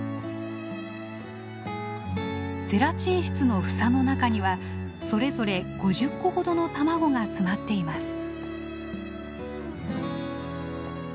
ゼラチン質の房の中にはそれぞれ５０個ほどの卵が詰まっています。